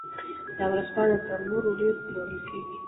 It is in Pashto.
دا ورځپاڼه تر نورو ډېر پلورل کیږي.